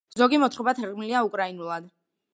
ზოგი მოთხრობა თარგმნილია უკრაინულად.